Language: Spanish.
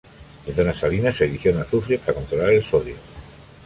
En zonas salinas se adiciona azufre para controlar el sodio.